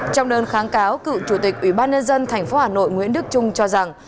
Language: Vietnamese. trong đơn kháng cáo cựu chủ tịch ủy ban nhân dân tp hà nội nguyễn đức trung cho rằng